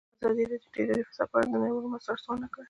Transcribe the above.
ازادي راډیو د اداري فساد په اړه د نړیوالو مرستو ارزونه کړې.